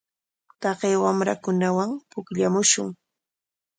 Taqay wamrakunawan pukllamushun.